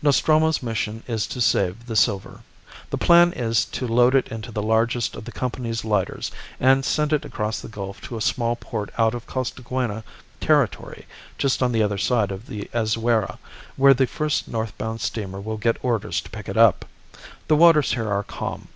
Nostromo's mission is to save the silver. The plan is to load it into the largest of the Company's lighters, and send it across the gulf to a small port out of Costaguana territory just on the other side the Azuera, where the first northbound steamer will get orders to pick it up. The waters here are calm.